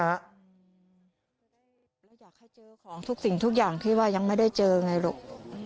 เราอยากให้เจอของทุกสิ่งทุกอย่างที่ว่ายังไม่ได้เจอไงลูก